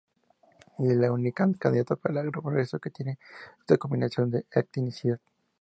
Ella es la única candidata para el congreso que tiene esta combinación de etnicidad.